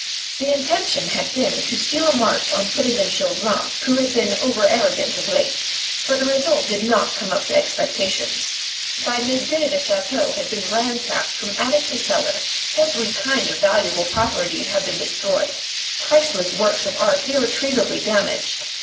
The intention had been to steal a march on citizen Chauvelin, who had been over arrogant of late; but the result did not come up to expectations. By midday the chateau had been ransacked from attic to cellar; every kind of valuable property had been destroyed, priceless works of art irretrievably damaged.